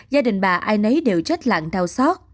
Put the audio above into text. gia đình bà ai nấy đều trách lặng